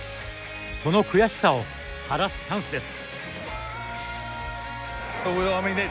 その悔しさを晴らすチャンスです。